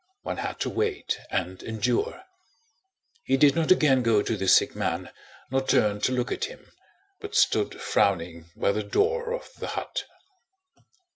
One had to wait and endure. He did not again go to the sick man, nor turn to look at him, but stood frowning by the door of the hut.